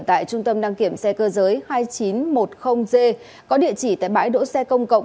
tại trung tâm đăng kiểm xe cơ giới hai nghìn chín trăm một mươi g có địa chỉ tại bãi đỗ xe công cộng